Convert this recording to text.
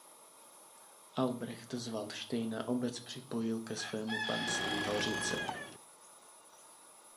Albrecht z Valdštejna obec připojil ke svému panství Hořice.